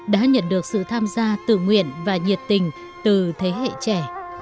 đã nhận được sự tham gia tự nguyện và nhiệt tình từ thế hệ trẻ